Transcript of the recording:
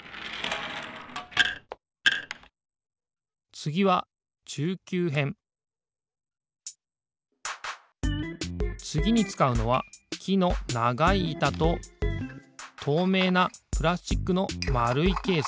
つぎはつぎにつかうのはきのながいいたととうめいなプラスチックのまるいケース。